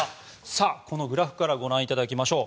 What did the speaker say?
このグラフからご覧いただきましょう。